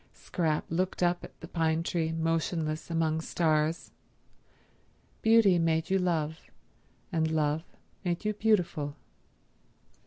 Scrap looked up at the pine tree motionless among stars. Beauty made you love, and love made you beautiful.